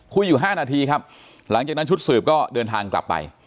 คุยอยู่๕นาทีครับหลังจากนั้นชุดสืบก็เดินทางกลับไป